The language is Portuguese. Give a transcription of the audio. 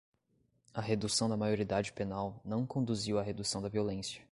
A redução da maioridade penal não conduziu à redução da violência